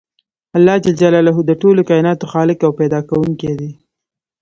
الله ج د ټولو کایناتو خالق او پیدا کوونکی دی .